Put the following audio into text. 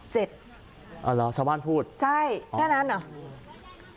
เหรอชาวบ้านพูดใช่แค่นั้นเหรอ